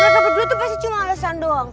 mereka berdua tuh pasti cuma alasan doang